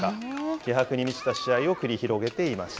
気迫に満ちた試合を繰り広げていました。